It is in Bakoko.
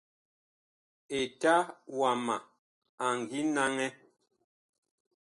Eta wama a ngi naŋɛ.